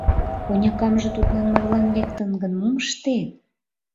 — Онякамже тудлан марлан лектын гын, мом ыштет?